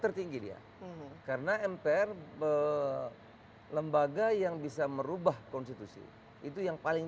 tertinggi dia karena mpr lembaga yang bisa merubah konstitusi itu yang paling